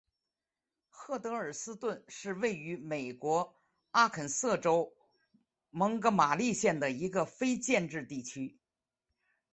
赫德尔斯顿是位于美国阿肯色州蒙哥马利县的一个非建制地区。